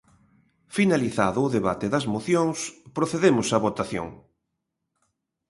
Finalizado o debate das mocións, procedemos á votación.